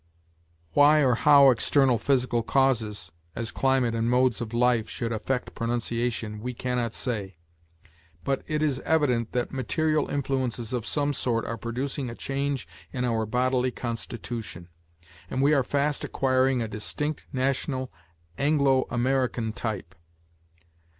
Why or how external physical causes, as climate and modes of life, should affect pronunciation, we can not say; but it is evident that material influences of some sort are producing a change in our bodily constitution, and we are fast acquiring a distinct national Anglo American type.